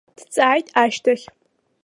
Дҵааит ашьҭахь.